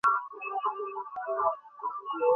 তাঁহাদের সহায়তা ব্যতীত কোন জ্ঞানই সম্ভব নয়।